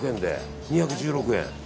２１６円。